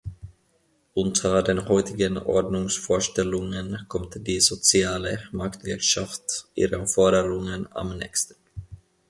Unter den heutigen Ordnungsvorstellungen kommt die Soziale Marktwirtschaft ihren Forderungen am nächsten.